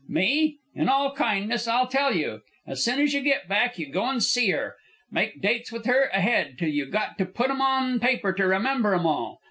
"Me? In all kindness I'll tell you. As soon as you get back you go and see her. Make dates with her ahead till you got to put 'em on paper to remember 'em all.